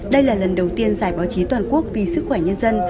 đây là lần đầu tiên giải báo chí toàn quốc vì sức khỏe nhân dân